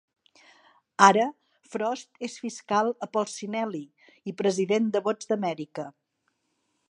Ara Frost és fiscal a Polsinelli i president de Vots d'Amèrica.